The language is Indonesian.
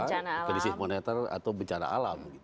residu peace monitor atau bencana alam